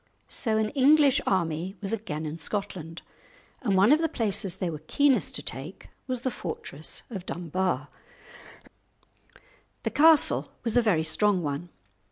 So an English army was again in Scotland, and one of the places they were keenest to take was the fortress of Dunbar. [Illustration: Black Agnes] The castle was a very strong one.